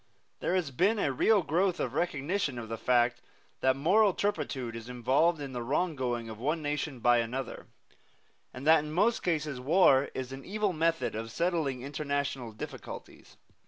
There has been a real growth of recognition of the fact that moral turpitude is involved in the wronging of one nation by another, and that in most cases war is an evil method of settling international difficulties.